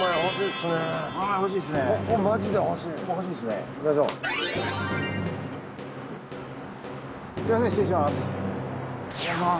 すみません失礼します。